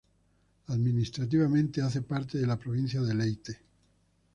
Administrativamente hace parte de la Provincia de Leyte.